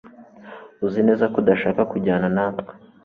uzi neza ko udashaka kujyana natwe